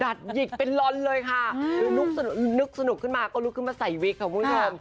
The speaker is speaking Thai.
ดัดหยิกเป็นร้อนเลยค่ะนึกสนุกนึกสนุกขึ้นมาก็ลุกขึ้นมาใส่วิกครับพวกเธอ